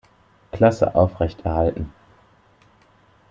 Klasse aufrechterhalten.